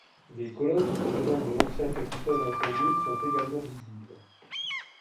Des colonnes provenant de l'ancien capitole incendié sont également visibles.